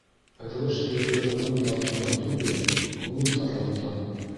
Ыҙғыш төбө урын тарлыҡтан түгел, күңел тарлыҡтан.